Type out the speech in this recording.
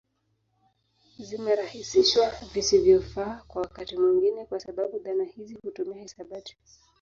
Zimerahisishwa visivyofaaa kwa wakati mwingine kwa sababu dhana hizi hutumia hisabati